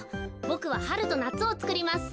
ボクははるとなつをつくります。